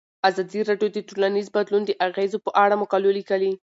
ازادي راډیو د ټولنیز بدلون د اغیزو په اړه مقالو لیکلي.